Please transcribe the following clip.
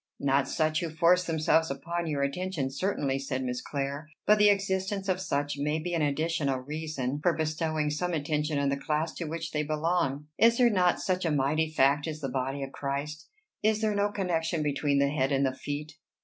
"Not such who force themselves upon your attention certainly," said Miss Clare; "but the existence of such may be an additional reason for bestowing some attention on the class to which they belong. Is there not such a mighty fact as the body of Christ? Is there no connection between the head and the feet?"